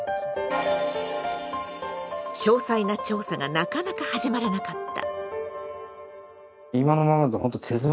「詳細な調査」がなかなか始まらなかった。